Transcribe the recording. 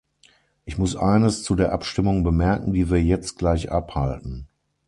Ich muss eines zu der Abstimmung bemerken, die wir jetzt gleich abhalten.